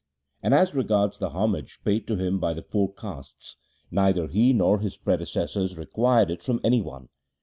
And as regards the homage paid to him by the four castes, neither he nor his predecessors required it from any one.